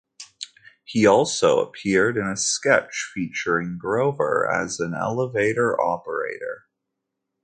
He also appeared in a sketch featuring Grover as an Elevator Operator.